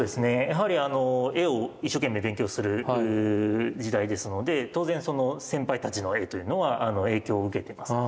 やはりあの絵を一生懸命勉強する時代ですので当然その先輩たちの絵というのは影響を受けています。